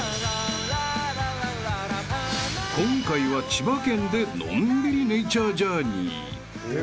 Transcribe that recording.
［今回は千葉県でのんびりネイチャージャーニー］